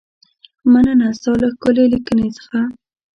مننه ستا له ښکلې لیکنې څخه.